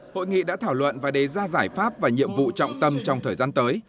hội nghị đã thảo luận và đề ra giải pháp và nhiệm vụ trọng tâm trong thời gian tới